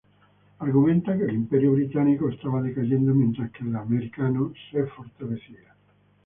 Argumenta que el Imperio Británico estaba decayendo mientras que el Americano se fortalecía.